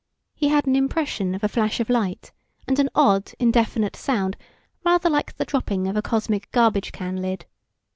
He had an impression of a flash of light, and an odd, indefinite sound rather like the dropping of a cosmic garbage can lid.